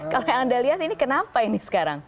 kalau yang anda lihat ini kenapa ini sekarang